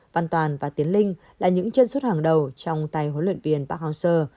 văn toàn và tiến linh là những chân xuất hàng đầu trong tay huấn luyện viên park hang seo